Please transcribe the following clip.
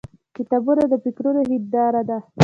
• کتابونه د فکرونو هنداره ده.